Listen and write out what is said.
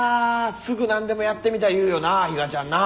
すぐ何でもやってみたい言うよな比嘉ちゃんな。